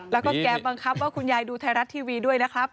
แล้วก็แกบังคับว่าคุณยายดูไทยรัฐทีวีด้วยนะครับ